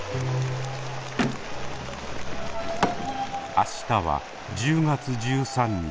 明日は１０月１３日